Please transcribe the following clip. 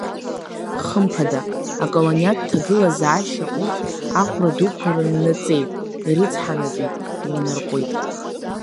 Хымԥада, аколониатә ҭагылазаашьа урҭ ахәра дуқәа рыннаҵеит, ирыцҳанатәит, иланарҟәит.